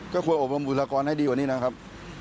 ก็ควรอบรมบุษรากรให้ดีกว่านี้นะครับ